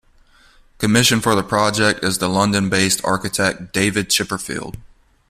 Commissioned for the project is the London-based architect David Chipperfield.